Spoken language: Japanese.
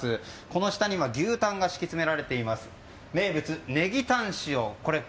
この下には牛タンが敷き詰められています名物ネギタン塩。